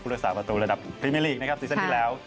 รักษาประตูระดับพรีเมอร์ลีกนะครับซีซั่นที่แล้ว